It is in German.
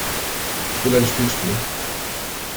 Ich will ein Spiel spielen.